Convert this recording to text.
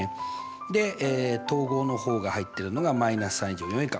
で等号の方が入ってるのが−３以上４以下②